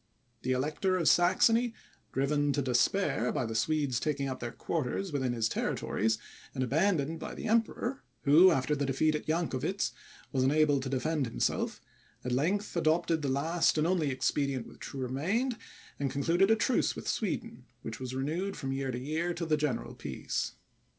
The Elector of Saxony, driven to despair by the Swedes taking up their quarters within his territories, and abandoned by the Emperor, who, after the defeat at Jankowitz, was unable to defend himself, at length adopted the last and only expedient which remained, and concluded a truce with Sweden, which was renewed from year to year, till the general peace.